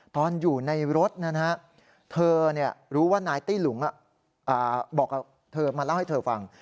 ตอนอยู่ในรถเรารู้ว่านายตี้หลุงมาเล่าให้เธอฟัง